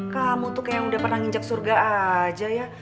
kamu tuh kayak yang udah pernah nginjak surga aja ya